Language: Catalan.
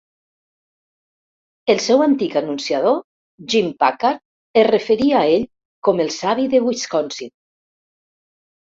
El seu antic anunciador, Jim Packard, es referia a ell com El savi de Wisconsin.